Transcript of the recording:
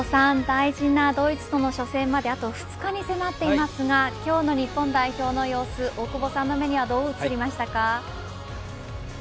大事なドイツとの初戦まであと２日に迫っていますが今日の日本代表の様子大久保さんの目にはどう映りましたか。